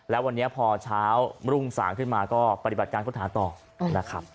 แล้ววันนี้พอเช้ารุ่งสางขึ้นมาก็ปฏิบัติการค้นหาต่อนะครับ